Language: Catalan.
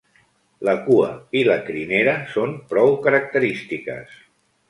La cua i la crinera són prou característiques.